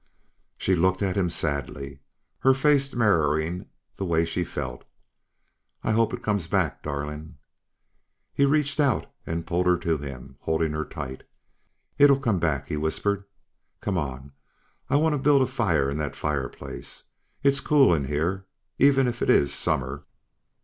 She looked at him sadly, her face mirroring the way she felt. "I hope it'll come back, darling." He reached out and pulled her to him, holding her tight. "It'll come back," he whispered. "C'mon. I want to build a fire in that fireplace. It's cool in here, even if it is summer."